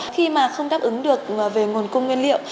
khi mà không đáp ứng được về nguồn cung nguyên liệu